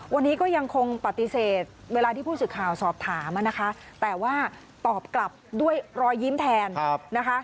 วันนี้ก็ยังคงปฏิเสธเวลาที่ผู้สื่อข่าวสอบถามนะคะแต่ว่าตอบกลับด้วยรอยยิ้มแทนนะคะ